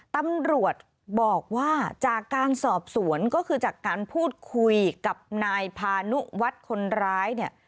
ตำรวจบอกว่าจากการสอบสวนก็คือจากการพูดคุยกับนายพานุวัฒน์คนร้ายเนี่ย